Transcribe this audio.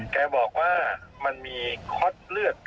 แกบอกว่ามันมีค็อตเลือด